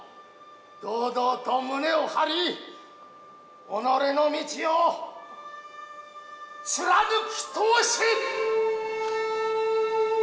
堂々と胸を張り己の道を貫き通せ！